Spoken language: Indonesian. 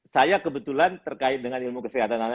saya kebetulan terkait dengan ilmu kesehatan anak ini